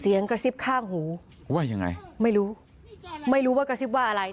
กระซิบข้างหูว่ายังไงไม่รู้ไม่รู้ว่ากระซิบว่าอะไร